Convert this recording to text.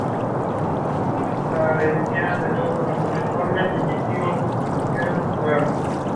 Dylan tocó un total de veinte conciertos en catorce estados y provincias.